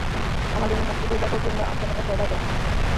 আমার জন্য মন্ত্রীর পরিবার হোক কিংবা আমজনতা সবাই এক।